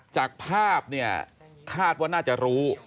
จากภาพคาดว่าน่าจะรู้